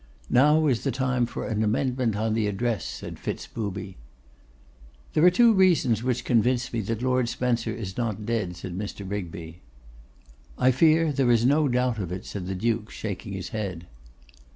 'Now is the time for an amendment on the address,' said Fitz Booby. 'There are two reasons which convince me that Lord Spencer is not dead,' said Mr. Rigby. 'I fear there is no doubt of it,' said the Duke, shaking his head.